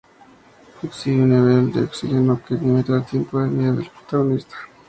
Existe un nivel de oxígeno que limita el tiempo de vida del protagonista.